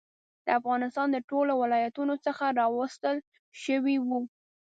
د افغانستان له ټولو ولایتونو څخه راوستل شوي وو.